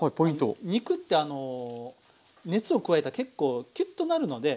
肉ってあの熱を加えたら結構キュッとなるので。